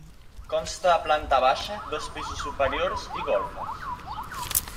Consta de planta baixa, dos pisos superiors i golfes.